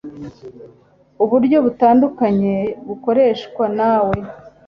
Uburyo butandukanye bukoreshwa nawe